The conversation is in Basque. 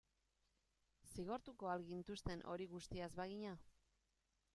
Zigortuko al gintuzten hori guztia ez bagina?